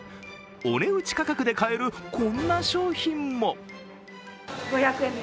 お値打ち価格で買えるこんな商品も。